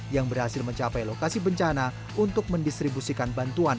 yang berhasil mencapai lokasi bencana untuk mendistribusikan bantuan